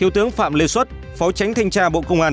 trong phạm lê xuất phó chánh thanh tra bộ công an